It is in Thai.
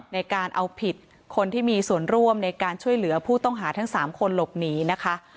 ในการเอาผิดคนที่มีส่วนร่วมในการช่วยเหลือผู้ต้องหาทั้ง๓คนหลบหนีนะคะ